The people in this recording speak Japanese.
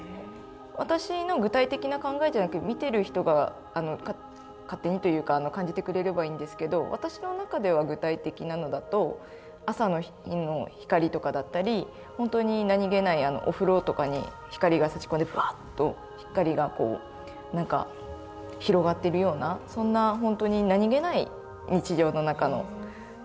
私の具体的な考えじゃなく見てる人が勝手にというか感じてくれればいいんですけど私の中では具体的なのだと朝の日の光とかだったりほんとに何気ないお風呂とかに光がさし込んでブワッと光が広がってるようなそんなほんとに何気ない日常の中のパッとワッて思う瞬間ですね。